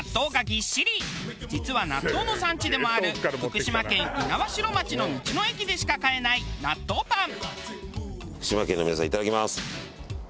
実は納豆の産地でもある福島県猪苗代町の道の駅でしか買えない納豆パン。